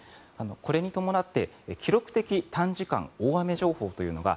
これに伴って記録的短時間大雨情報というのが